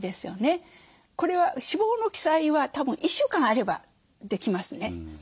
これは死亡の記載はたぶん１週間あればできますね。